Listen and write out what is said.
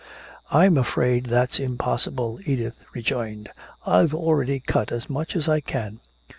"I'm afraid that's impossible," Edith rejoined. "I've already cut as much as I can."